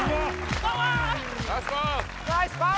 ナイスパス！